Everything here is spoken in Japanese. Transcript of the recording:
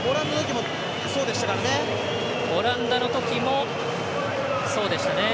オランダのときもそうでしたからね。